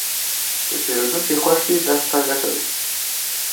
که پیرودونکی خوښ وي، دا ستا ګټه ده.